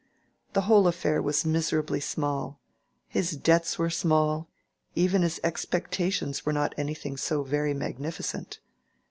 The whole affair was miserably small: his debts were small, even his expectations were not anything so very magnificent.